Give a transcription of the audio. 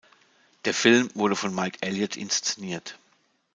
Der Film wurde von Mike Elliott inszeniert.